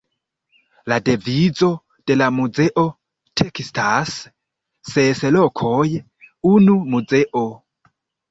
La devizo de la muzeo tekstas: „Ses lokoj, unu muzeo“.